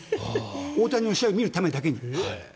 大谷の試合を見るためだけに。